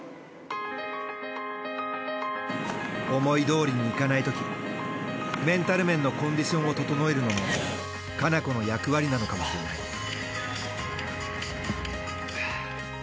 思いどおりにいかないときメンタル面のコンディションを整えるのも華菜子の役割なのかもしれない。